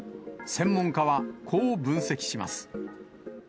専門家は、こう分析します。